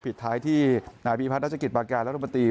ผิดท้ายที่นายพี่พัฒน์นัตกฤษประการและธุรกิจ